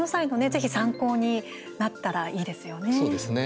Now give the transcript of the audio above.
ぜひ参考になったらいいですよね。